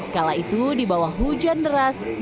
kala itu di bawah hujan deras